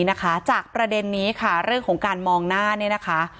นะคะจากประเด็นนี้ค่ะเรื่องของการมองหน้าเนี่ยนะคะ